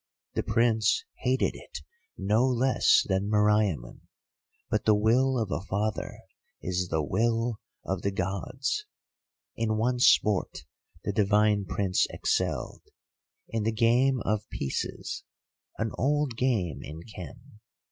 The Prince hated it no less than Meriamun, but the will of a father is the will of the Gods. In one sport the divine Prince excelled, in the Game of Pieces, an old game in Khem.